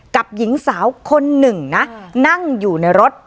กับหญิงสาวคนหนึ่งนะนั่งอยู่ในรถ